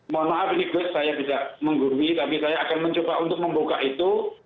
mohon maaf ini saya bisa menggurui tapi saya akan mencoba untuk membuka itu